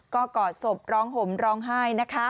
ก็กอดศพร้องห่มร้องไห้นะคะ